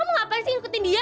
mau ngapain sih ngikutin dia